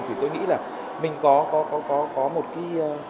thì tôi nghĩ là mình có một cái